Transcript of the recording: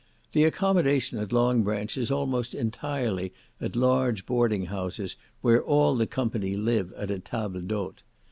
The accommodation at Long Branch is almost entirely at large boarding houses, where all the company live at a table d'hôte.